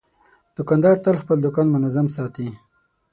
دوکاندار تل خپل دوکان منظم ساتي.